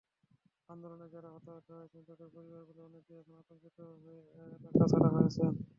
আন্দোলনে যাঁরা হতাহত হয়েছেন, তাঁদের পরিবারগুলোর অনেকেই এখন আতঙ্কতাড়িত হয়ে এলাকাছাড়া হয়েছেন।